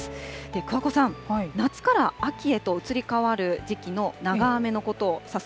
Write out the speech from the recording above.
桑子さん、夏から秋へと移り変わる時期の長雨のことを指す